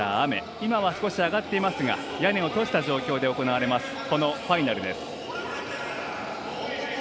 今は少し上がっていますが屋根を閉じた状態で行われます、このファイナルです。